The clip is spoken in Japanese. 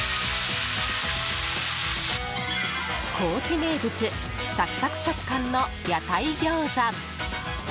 高知名物サクサク食感の屋台餃子。